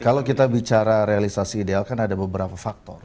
kalau kita bicara realisasi ideal kan ada beberapa faktor